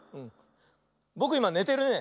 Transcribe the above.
ぼくいまねてるね。